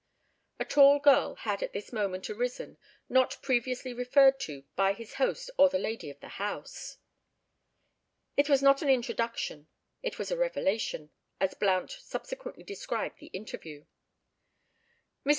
A tall girl had at this moment arisen, not previously referred to by his host or the lady of the house. It was not an introduction—it was a revelation, as Blount subsequently described the interview. Mrs.